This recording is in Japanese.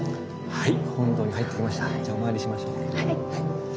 はい。